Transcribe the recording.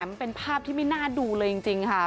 มันเป็นภาพที่ไม่น่าดูเลยจริงค่ะ